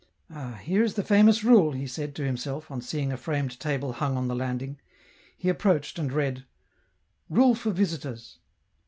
" Ah, here is the famous rule," he said to himself, on seeing a framed table hung on the landing. He aporoached and read :—" Rule for Visitors."